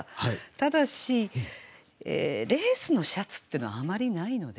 ただしレースのシャツってのはあまりないので。